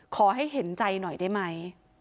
ขอให้เห็นใจหน่อยได้ไหม